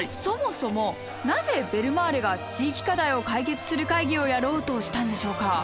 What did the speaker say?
そもそもなぜベルマーレが地域課題を解決する会議をやろうとしたんでしょうか？